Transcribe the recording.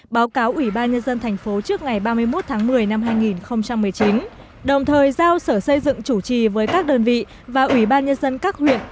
báo cáo ubnd tp hcm trước ngày ba mươi một tháng một mươi năm hai nghìn một mươi chín đồng thời giao sở xây dựng chủ trì với các đơn vị và ubnd các huyện